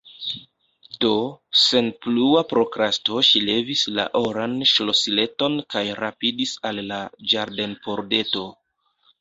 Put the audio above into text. Do, sen plua prokrasto ŝi levis la oran ŝlosileton kaj rapidis al la ĝardenpordeto.